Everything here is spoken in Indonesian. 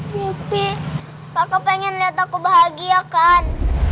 popi kakak pengen lihat aku bahagia kan